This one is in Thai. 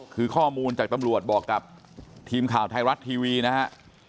คือข้อมูลจากตำรวจบอกกับทีมข่าวไทยรัฐทีวีนะฮะ